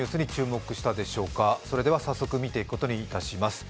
それでは早速見ていくことにいたします。